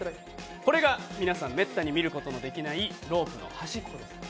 これが皆さんめったに見ることができないロープの端っこです。